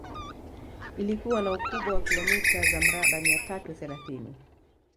Ilikuwa na ukubwa wa kilomita za mraba mia tatu thelathini